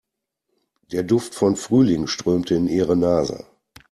Der Duft von Frühling strömte in ihre Nase.